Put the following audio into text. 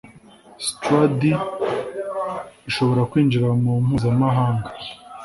stradh ishobora kwinjira mu mpuzamahanga